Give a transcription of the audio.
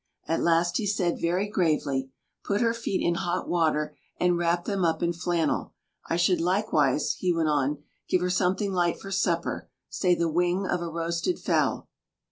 At last he said very gravely, "Put her feet in hot water, and wrap them up in flannel. I should likewise," he went on, "give her something light for supper—say the wing of a roasted fowl."